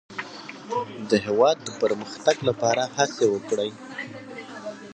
د هېواد د پرمختګ لپاره هڅې وکړئ.